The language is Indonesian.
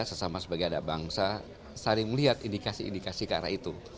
sesama sebagai anak bangsa saling melihat indikasi indikasi ke arah itu